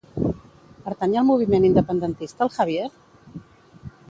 Pertany al moviment independentista el Javier?